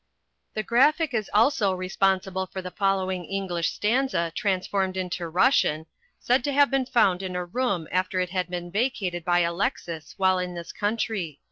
The "Graphic" is also responsible for the following English stanza transformed into Russian, said to have been found in a room after it had been vacated by Alexis while in this country.